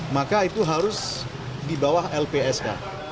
maka itu harus di bawah lpsk